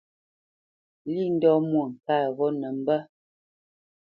Lî ndɔ́ Mwôŋkát ghó nə mbə́.